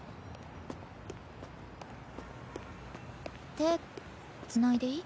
手つないでいい？